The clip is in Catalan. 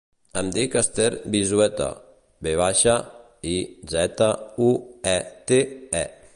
Em dic Esther Vizuete: ve baixa, i, zeta, u, e, te, e.